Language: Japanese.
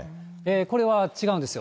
これは違うんですよ。